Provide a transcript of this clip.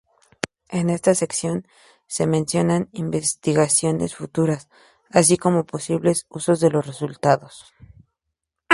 En esta sección se mencionan investigaciones futuras, así como posibles usos de los resultados.